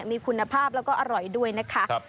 มีคุณภาพแล้วก็อร่อยด้วยนะคะ